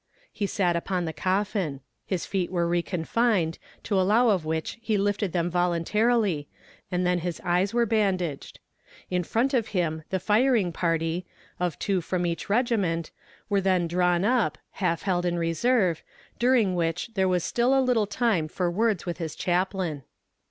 He sat upon the coffin; his feet were reconfined, to allow of which he lifted them voluntarily, and then his eyes were bandaged. In front of him the firing party, of two from each regiment, were then drawn up, half held in reserve, during which there was still a little time for words with his chaplain.